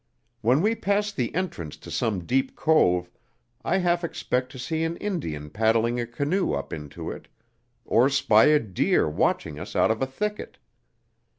When we pass the entrance to some deep cove I half expect to see an Indian paddling a canoe up into it, or spy a deer watching us out of a thicket.